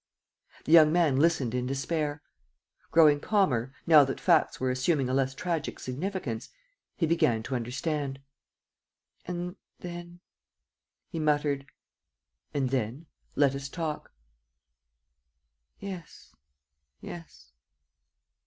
The young man listened in despair. Growing calmer, now that facts were assuming a less tragic significance, he began to understand: "And then ..." he muttered. "And then ... let us talk." "Yes, yes